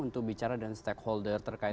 untuk bicara dengan stakeholder terkait